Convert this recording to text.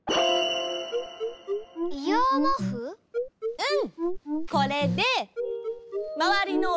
うん。